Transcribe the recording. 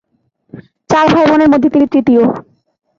চার ভাইবোনের মধ্যে তিনি তৃতীয়।